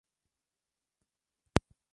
Obra de Pozzo.